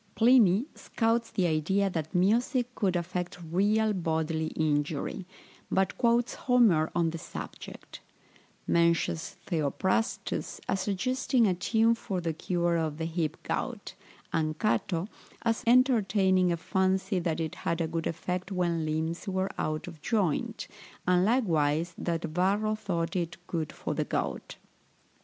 Pliny scouts the idea that music could affect real bodily injury, but quotes Homer on the subject; mentions Theophrastus as suggesting a tune for the cure of the hip gout, and Cato as entertaining a fancy that it had a good effect when limbs were out of joint, and likewise that Varro thought it good for the gout.